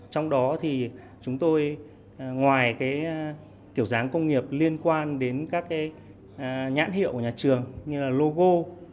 trong đó thì chúng tôi ngoài cái kiểu dáng công nghiệp liên quan đến các nhãn hiệu của nhà trường như là logo